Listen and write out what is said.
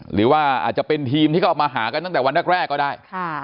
หรือว่าอาจจะเป็นทีมที่เขามาหากันตั้งแต่วันแรกก็ได้